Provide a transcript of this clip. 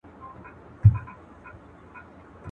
o د مارگير مرگ د ماره وي.